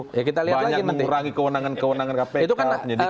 banyak mengurangi kewenangan kewenangan kpk